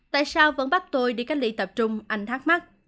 tại sao vẫn bắt tôi đi cách ly tập trung anh thắc mắc